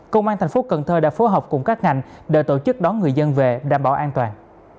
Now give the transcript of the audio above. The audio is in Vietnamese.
công an thành phố cần thơ đã phối hợp cùng các ngành để tổ chức đón người dân về đảm bảo an toàn